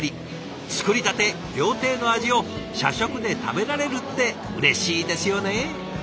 作りたて料亭の味を社食で食べられるってうれしいですよね。